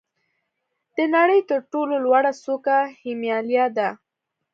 د نړۍ تر ټولو لوړه څوکه هیمالیا ده.